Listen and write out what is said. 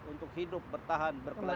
untuk hidup bertahan berkelanjutan